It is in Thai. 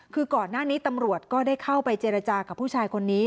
คือก่อนหน้านี้ตำรวจก็ได้เข้าไปเจรจากับผู้ชายคนนี้